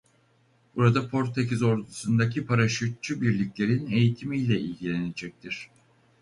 Burada Portekiz Ordusundaki paraşütçü birliklerin eğitimiyle ilgilenecektir.